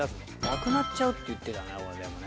なくなっちゃうって言ってたね。